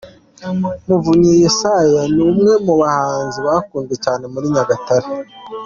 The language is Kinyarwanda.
Muvunyi Yesaya ni umwe mu bahanzi bakunzwe cyane muri Nyagatare.